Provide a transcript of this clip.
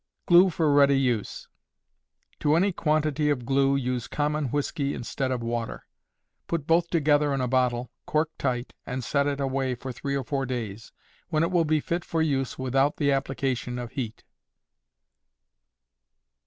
Glue for ready Use. To any quantity of glue use common whiskey instead of water. Put both together in a bottle, cork tight, and set it away for three or four days, when it will be fit for use without the application of heat.